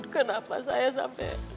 kenapa saya sampai